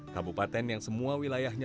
kabupaten yang semua wilayahnya